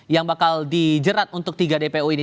yang bakal dijerat untuk tiga dpo ini